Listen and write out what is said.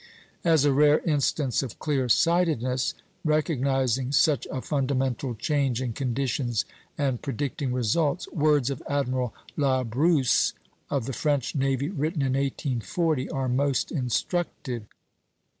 As a rare instance of clear sightedness, recognizing such a fundamental change in conditions and predicting results, words of Admiral Labrousse of the French navy, written in 1840, are most instructive.